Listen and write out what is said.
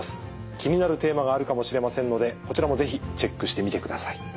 気になるテーマがあるかもしれませんのでこちらも是非チェックしてみてください。